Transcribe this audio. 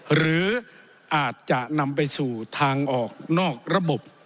หรืออาจจะนำไปสู่ทางออกนอกระบบ